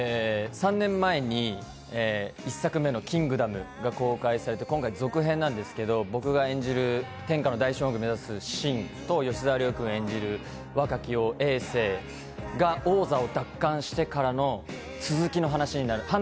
３年前に１作目の『キングダム』が公開されて今回続編なんですけど、僕が演じる天下の大将軍を目指す信と吉沢亮くん演じる若き王・エイ政が王座を奪還してからの続きの話になります。